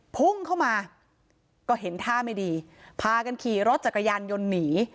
พุ่งเข้ามาก็เห็นท่าไม่ดีพากันขี่รถจักรยานยนต์หนี